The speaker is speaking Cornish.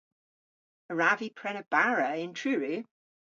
A wrav vy prena bara yn Truru?